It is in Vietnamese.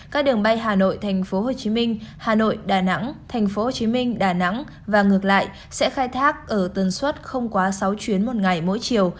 các đường bay hà nội tp hcm hà nội đà nẵng tp hcm đà nẵng và ngược lại sẽ khai thác ở tần suất không quá sáu chuyến một ngày mỗi chiều